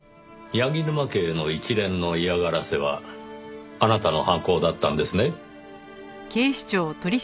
柳沼家への一連の嫌がらせはあなたの犯行だったんですね？